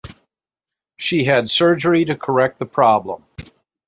She had surgery to correct the problem.